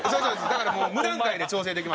だからもう無段階で調整できますんで。